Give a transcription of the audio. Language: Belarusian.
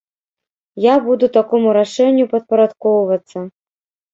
Я буду такому рашэнню падпарадкоўвацца.